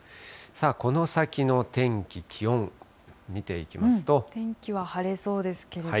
この先の天気、気温、見ていきま天気は晴れそうですけれども。